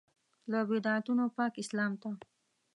له بدعتونو پاک اسلام ته.